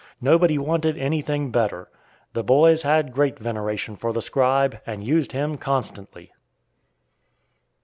Nobody wanted anything better. The boys had great veneration for the scribe, and used him constantly.